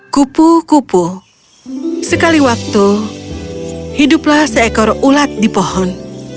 kupu kupu sekali waktu hiduplah seekor ulat di pohon